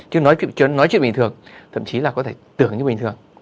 chứ nói chuyện bình thường thậm chí là có thể tưởng như bình thường